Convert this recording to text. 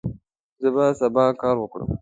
زه به سبا کار وکړم.